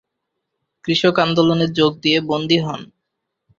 কৃষক আন্দোলনে যোগ দিয়ে বন্দী হন।